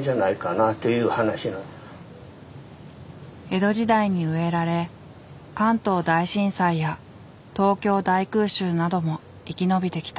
江戸時代に植えられ関東大震災や東京大空襲なども生き延びてきた。